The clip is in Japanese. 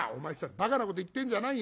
ばかなこと言ってんじゃないよ。